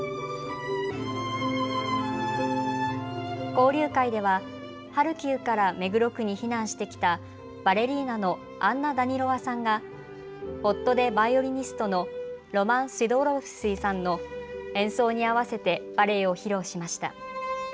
交流会ではハルキウから目黒区に避難してきたバレリーナのアンナ・ダニロワさんが夫でバイオリニストのロマン・スィドウォロスィさんの演奏に合わせてバレエを披露しました。